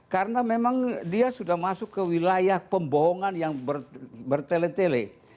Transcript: karena memang dia sudah masuk ke wilayah pembohongan yang bertele tele